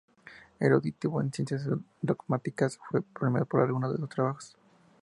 Erudito en ciencias dogmáticas, fue premiado por algunos de sus trabajos.